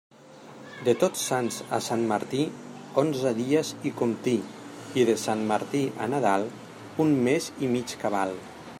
De Tots Sants a Sant Martí, onze dies hi comptí, i de Sant Martí a Nadal, un mes i mig cabal.